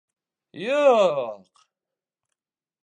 Ю-юҡ!